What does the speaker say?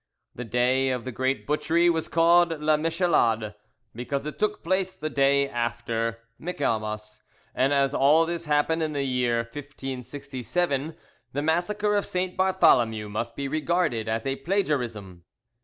The day of the great butchery was called "La Michelade," because it took place the day after Michaelmas, and as all this happened in the year 1567 the Massacre of St. Bartholomew must be regarded as a plagiarism.